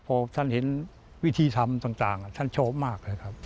พอท่านเห็นวิธีทำต่างท่านชอบมากเลยครับ